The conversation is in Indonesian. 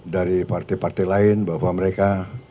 dari partai partai lain bahwa mereka